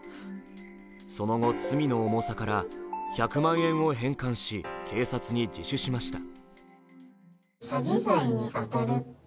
その後、罪の重さから１００万円を返還し、警察に自首しました。